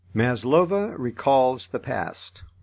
MASLOVA RECALLS THE PAST.